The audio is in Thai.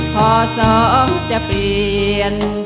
พอสองจะเปลี่ยน